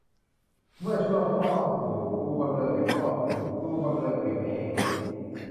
เมื่อชั่วพ่อกู กูบำเรอแก่พ่อกู กูบำเรอแก่แม่กู